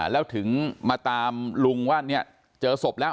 แล้วถึงมาตามลุงว่าเจอสบแล้ว